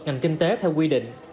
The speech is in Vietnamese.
ngành kinh tế theo quy định